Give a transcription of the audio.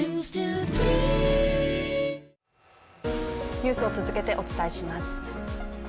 ニュースを続けてお伝えします。